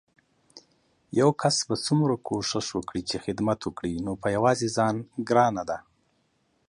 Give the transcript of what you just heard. يو کس څومره کوښښ وکړي چې خدمت وکړي نو په يوازې ځان ګرانه ده